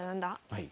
はい。